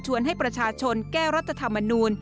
ให้ประชาชนแก้รัฐธรรมนูล